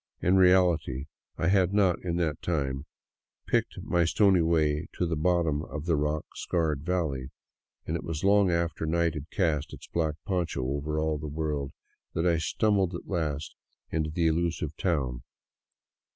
In reality I had not in that time picked my stony way to the bottom of the rock scarred valley, and it was long after night had cast its black poncho over all the world that I stumbled at last into the elusive town.